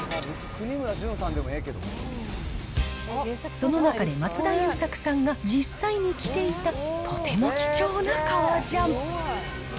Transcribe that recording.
その中で松田優作さんが実際に着ていた、とても貴重な革ジャン。